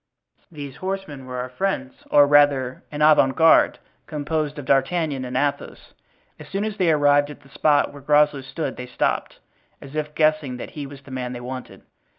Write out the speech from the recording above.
These horsemen were our friends, or rather, an avant garde, composed of D'Artagnan and Athos. As soon as they arrived at the spot where Groslow stood they stopped, as if guessing that he was the man they wanted.